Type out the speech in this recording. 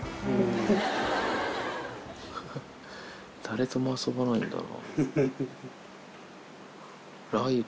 誰とも遊ばないんだな。